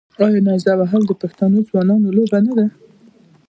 آیا نیزه وهل د پښتنو ځوانانو لوبه نه ده؟